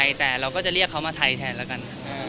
ใช่แต่เราก็จะเรียกเขามาไทยแทนแล้วกัน